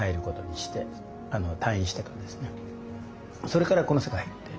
それからこの世界入って。